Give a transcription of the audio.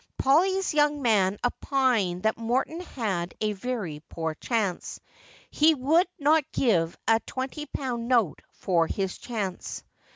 Polly's young man opined that Morton had a very poor chance. lie would not give a twenty pound note for his chance.